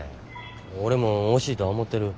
俺も惜しいとは思ってる。